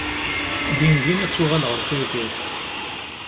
Din din ad tuɣal ɣer tirga-s.